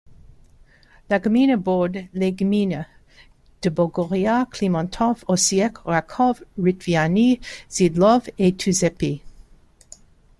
La gmina borde les gminy de Bogoria, Klimontów, Osiek, Raków, Rytwiany, Szydłów et Tuczępy.